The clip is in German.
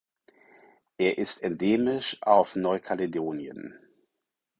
Er ist endemisch auf Neukaledonien.